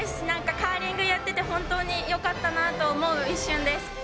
なんかカーリングやってて、本当によかったなと思う一瞬です。